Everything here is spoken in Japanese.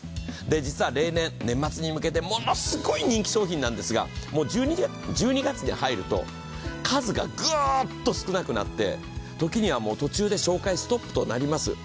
実は例年、年末に向けてものすごい人気商品なんですが、１２月に入ると数がぐっと少なくなって時には途中で紹介ストップとなります。